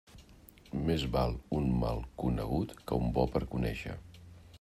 Més val un mal conegut que un bo per conéixer.